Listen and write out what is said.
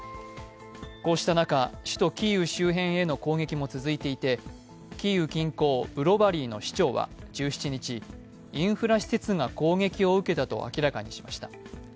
こうした中、首都キーウ周辺への攻撃も続いていてキーウ近郊ブロバリーの市長は１７日、インフラ施設が攻撃を受けたと明らかにしました。